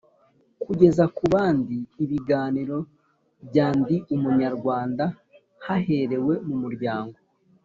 Kugeza ku bandi ibiganiro bya Ndi Umunyarwanda haherewe mu muryango